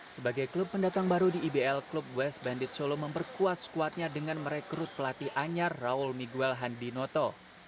sebagai klub pendatang baru di ibl klub west bandit solo memperkuat skuadnya dengan merekrut pelatih anyar raul miguel handinoto